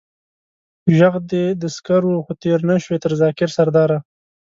ژغ دې د سکر و، خو تېر نه شوې تر ذاکر سرداره.